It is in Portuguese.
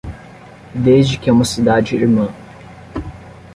Desde que é uma cidade irmã